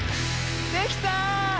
できた！